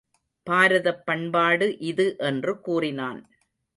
பாரதப் பண்பாடு இது என்று கூறினான்.